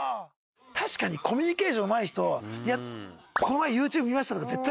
確かにコミュニケーションうまい人「この前ＹｏｕＴｕｂｅ見ました」とか絶対しゃべってるわ。